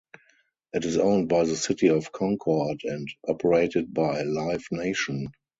It is owned by the City of Concord and operated by Live Nation.